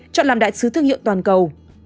chọn làm đại sứ thương hiệu toàn cầu